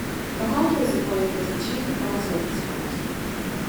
Mahanta was appointed as the chief adviser of this front.